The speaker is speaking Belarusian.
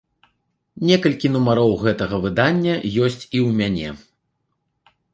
Некалькі нумароў гэтага выдання ёсць і ў мяне.